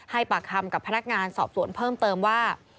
ปากคำกับพนักงานสอบสวนเพิ่มเติมว่า